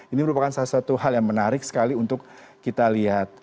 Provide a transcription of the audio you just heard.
ini merupakan salah satu hal yang menarik sekali untuk kita lihat